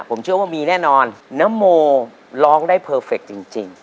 ผมเชื่อว่ามีแน่นอนนโมร้องได้เพอร์เฟคจริง